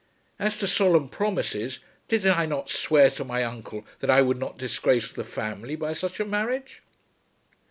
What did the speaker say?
As to solemn promises, did I not swear to my uncle that I would not disgrace the family by such a marriage?